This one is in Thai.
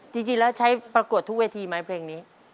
จริงแล้วใช้ประกวดทุกเวทีไหมเพลงนี้